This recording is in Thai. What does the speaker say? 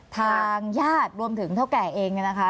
ทางญาติรวมถึงเท่าแก่เองเนี่ยนะคะ